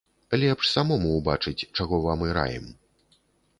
Лепш самому ўбачыць, чаго вам і раім.